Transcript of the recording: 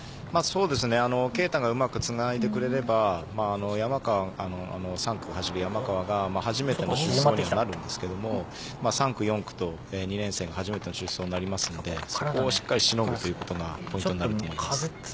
圭汰がうまくつないでくれれば３区を走る山川が初めての出走になるんですが３区、４区と２年生が初めての出走になりますのでそこをしっかりとしのぐことがポイントになると思います。